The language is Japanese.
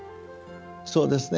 そうですね